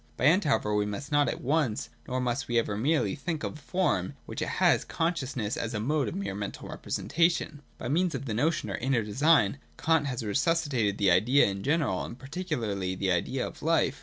By End however we must not at once, nor must we ever merely, think of the form which it has in conscious ness as a mode of mere mental representation. By means of the notion of Inner Design Kant has resusci tated the Idea in general and particularly the idea of life.